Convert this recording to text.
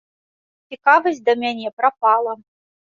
Цікавасць да мяне прапала.